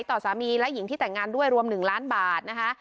ต่อสามีและหญิงที่แต่งงานด้วยรวม๑ล้านบาทนะคะ